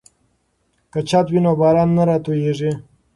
که چت وي نو باران نه راتوییږي.